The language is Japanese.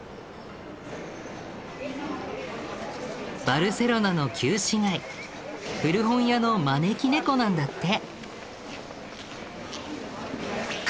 バルセロナの旧市街古本屋の招き猫なんだって。